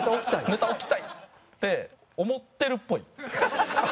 ネタ置きたいって思ってるっぽいです。